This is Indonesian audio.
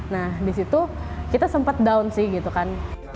nah disitu kita sempat down sih gitu kan